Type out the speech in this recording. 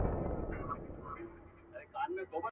تر هر بیته مي راځې بیرته پناه سې.